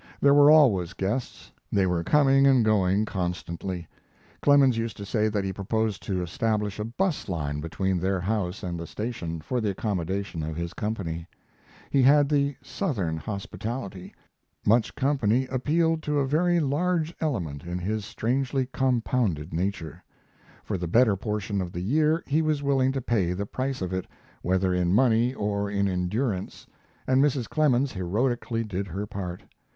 There were always guests; they were coming and going constantly. Clemens used to say that he proposed to establish a bus line between their house and the station for the accommodation of his company. He had the Southern hospitality. Much company appealed to a very large element in his strangely compounded nature. For the better portion of the year he was willing to pay the price of it, whether in money or in endurance, and Mrs. Clemens heroically did her part.